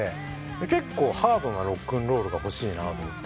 結構ハードなロックンロールが欲しいなと思って。